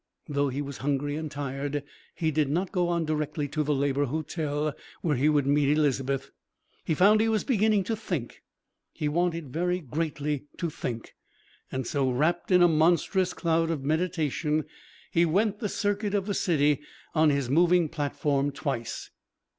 Though he was hungry and tired, he did not go on directly to the Labour Hotel, where he would meet Elizabeth. He found he was beginning to think, he wanted very greatly to think; and so, wrapped in a monstrous cloud of meditation, he went the circuit of the city on his moving platform twice.